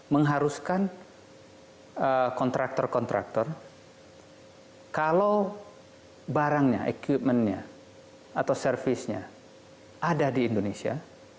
mengharuskan kontraktor kontraktor kalau barangnya equipment nya atau servisnya ada di indonesia